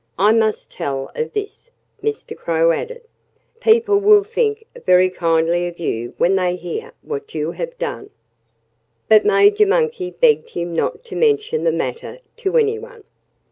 I must tell of this," Mr. Crow added. "People will think very kindly of you when they hear what you have done." But Major Monkey begged him not to mention the matter to anyone.